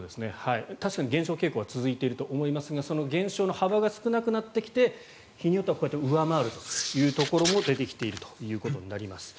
確かに減少傾向は続いているとは思いますがその現象の幅が少なくなってきて日によっては上回るという日も出てきているということになります。